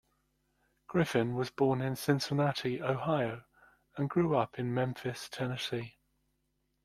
Griffin was born in Cincinnati, Ohio and grew up in Memphis, Tennessee.